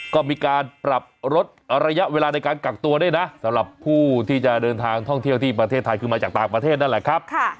ก็มีการปรับลดระยะเวลาในการกักตัวด้วยนะสำหรับผู้ที่จะเดินทางท่องเที่ยวที่ประเทศไทยคือมาจากต่างประเทศนั่นแหละครับ